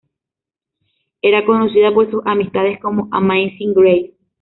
Era conocida por sus amistades como "Amazing Grace.